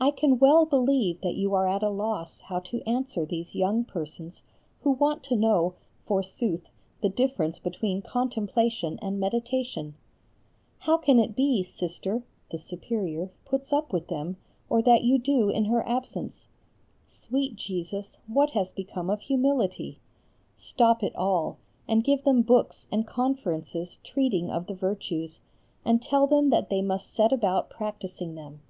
I can well believe that you are at a loss how to answer these young persons who want to know, forsooth, the difference between contemplation and meditation. How can it be, Sister (The Superior) puts up with them, or that you do in her absence? Sweet Jesus, what has become of humility? Stop it all, and give them books and conferences treating of the virtues, and tell them that they must set about practising them.